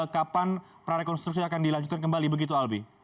kapan prarekonstruksi akan dilanjutkan kembali begitu albi